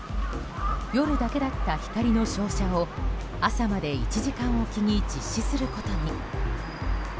夜だけだった光の照射を、朝まで１時間おきに実施することに。